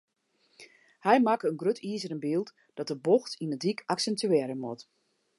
Hy makke in grut izeren byld dat de bocht yn in dyk aksintuearje moat.